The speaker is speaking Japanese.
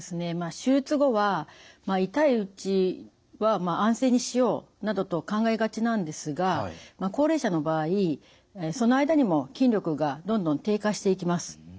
手術後は痛いうちは安静にしようなどと考えがちなんですが高齢者の場合その間にも筋力がどんどん低下していきます。